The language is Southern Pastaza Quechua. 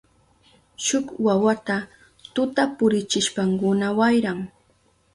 Shuk wawata tuta purichishpankuna wayran.